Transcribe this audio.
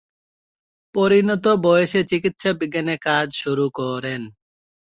পরিণত বয়সে চিকিৎসাবিজ্ঞানে কাজ শুরু করেন।